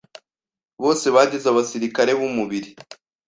Bose bagize abasirikare b'umubiri